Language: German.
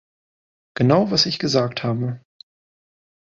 Genau was ich gesagt habe.